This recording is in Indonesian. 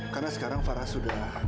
karena sekarang farah sudah